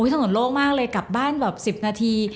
ถนนโล่งมากเลยกลับบ้านแบบ๑๐นาที